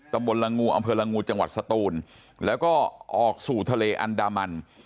ตำบลละงูอำเภอละงูจังหวัดสตูนแล้วก็ออกสู่ทะเลอันดามัน